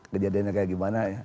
kejadiannya kayak gimana